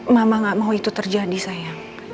mama gak mau itu terjadi saya